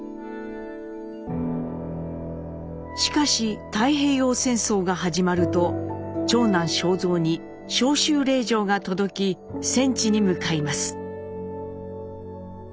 しかし太平洋戦争が始まると長男昌三に召集令状が届き戦地に向かいます。